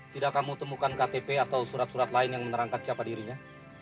tidak kamu temukan ktp atau surat surat lain yang menerangkan siapa dirinya